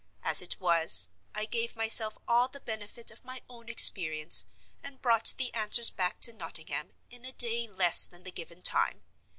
As it was, I gave myself all the benefit of my own experience, and brought the answers back to Nottingham in a day less than the given time.